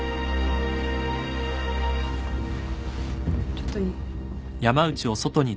ちょっといい？